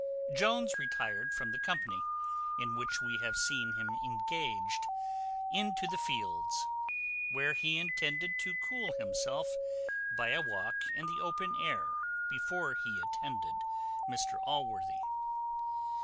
Jones retired from the company, in which we have seen him engaged, into the fields, where he intended to cool himself by a walk in the open air before he attended Mr Allworthy.